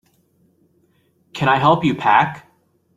Can I help you pack?